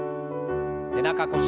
背中腰